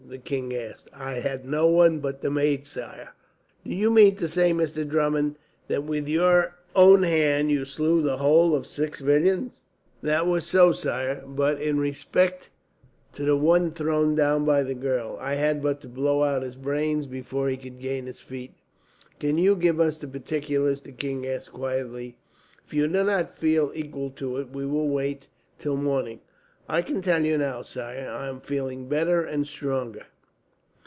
the king asked. "I had no one but the maid, sire." "Do you mean to say, Mr. Drummond, that with your own hand you slew the whole of the six villains?" "That was so, sire; but in respect to the one thrown down by the girl, I had but to blow out his brains before he could gain his feet." "Can you give us the particulars?" the king asked quietly. "If you do not feel equal to it, we will wait till morning." "I can tell you now, sire. I am feeling better and stronger."